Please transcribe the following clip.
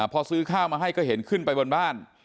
พอซื้อข้าวมาให้ก็เห็นขึ้นไปบนบ้าน